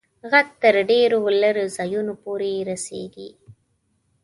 ږغ تر ډېرو لیري ځایونو پوري رسیږي.